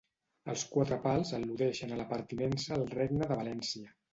Els quatre pals al·ludeixen a la pertinença al Regne de València.